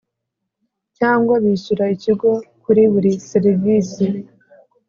cyangwa bishyura Ikigo kuri buri serivisi